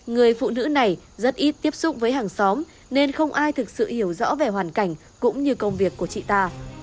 người phụ nữ này rất ít tiếp xúc với hàng xóm nên không ai thực sự hiểu rõ về hoàn cảnh cũng như công việc của chị ta